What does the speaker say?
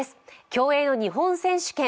競泳の日本選手権。